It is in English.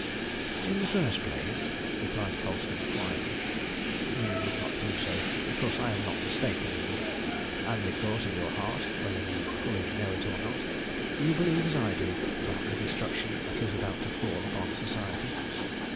"In the first place," replied Colston quietly, "you would not do so, because I am not mistaken in you, and because, in your heart, whether you fully know it or not, you believe as I do about the destruction that is about to fall upon Society.